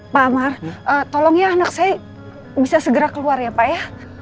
pak amar tolong ya anak saya bisa segera keluar ya pak ya